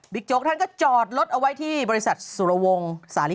โจ๊กท่านก็จอดรถเอาไว้ที่บริษัทสุรวงศ์สาลิ